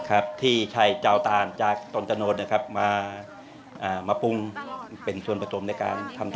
ครับที่ใช่เจ้าตานจากตนตะโนดนะครับมาปุ้งเป็นส่วนผสมในการทำตะโนดทอด